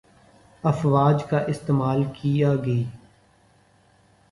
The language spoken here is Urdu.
افواج کا استعمال کیا گی